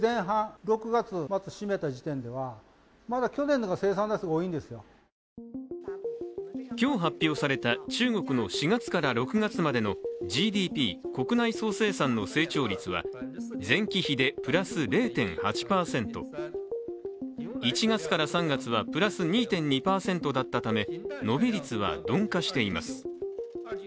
ただ、この上半期、予想外のことが今日発表された中国の４月から６月までのＧＤＰ＝国内総生産の成長率は前期比でプラス０．８％１月から３月はプラス２．２％だったため伸び率は鈍化しています。